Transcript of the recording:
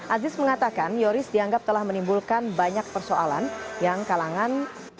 aziz mengatakan yoris dianggap telah menimbulkan banyak persoalan yang kalangan